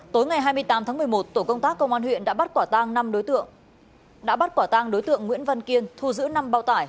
tối ngày hai mươi tám tháng một mươi một tổ công tác công an huyện đã bắt quả tang đối tượng nguyễn văn kiên thu giữ năm bao tải